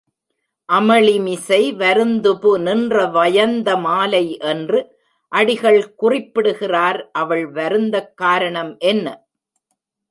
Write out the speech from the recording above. அமளிமிசை வருந்துபு நின்ற வயந்தமாலை என்று அடிகள் குறிப்பிடுகின்றார் அவள் வருந்தக் காரணம் என்ன?